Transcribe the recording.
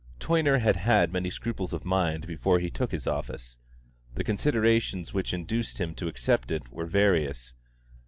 Toyner had had many scruples of mind before he took this office. The considerations which induced him to accept it were various.